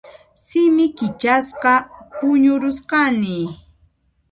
Simi kichasqa puñurusqani.